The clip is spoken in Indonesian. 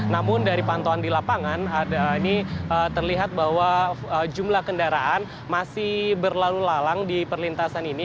namun dari pantauan di lapangan ini terlihat bahwa jumlah kendaraan masih berlalu lalang di perlintasan ini